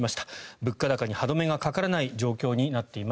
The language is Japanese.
物価高に歯止めがかからない状況になっています。